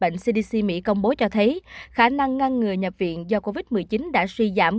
bệnh cdc mỹ công bố cho thấy khả năng ngăn ngừa nhập viện do covid một mươi chín đã suy giảm